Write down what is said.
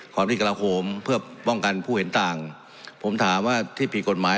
ที่กระโหมเพื่อป้องกันผู้เห็นต่างผมถามว่าที่ผิดกฎหมาย